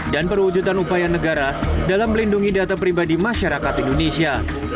dan perwujudan upaya negara dalam melindungi data pribadi masyarakat indonesia